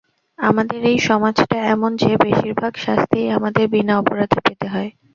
আমাদের এই সমাজটা এমন যে বেশির ভাগ শাস্তিই আমাদের বিনা অপরাধে পেতে হয়।